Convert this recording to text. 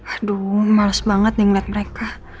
aduh males banget nih ngeliat mereka